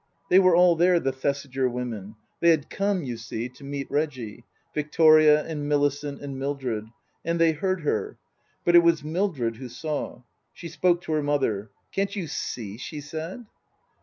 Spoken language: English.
They were all there, the Thesiger women they had come, you see, to meet Reggie Victoria and Millicent and Mildred ; and they heard her. But it was Mildred who saw. She spoke to her mother. "Can't you see ?" she said.